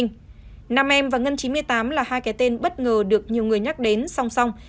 năm em và ngân chín mươi tám là hai cái tên bất ngờ được nhiều người nhắc đến song song